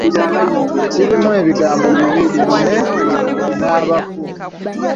Kirimu ebigambo bibiri ‘ne’ ne ‘abafu.’